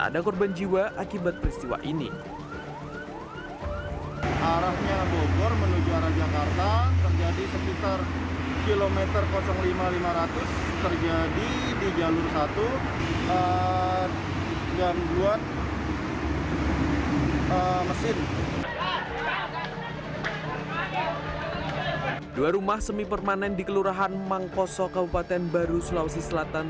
dua rumah semi permanen di kelurahan mangkoso kabupaten baru sulawesi selatan